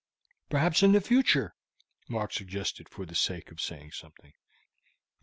"Perhaps in the future " Mark suggested for the sake of saying something.